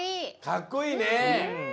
かっこいいね！